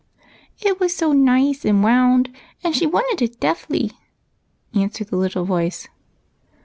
" It was so nice and wound, and she wanted it deffly," answered the little voice.